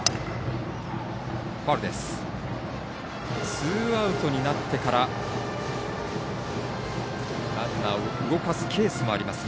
ツーアウトになってからランナーを動かすケースもありますが。